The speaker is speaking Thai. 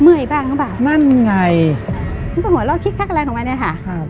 เมื่อยบ้างหรือเปล่านั่นไงมันก็หัวเราะคิกคักอะไรของมันเนี่ยค่ะครับ